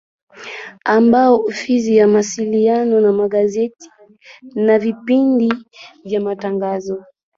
Ambayo ni ofisi ya Mawasiliano na Magazeti na vipindi vya matangazo